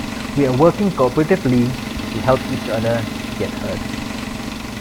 We are working cooperatively to help each other get heard.